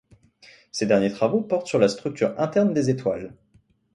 Ses derniers travaux portent sur la structure interne des étoiles.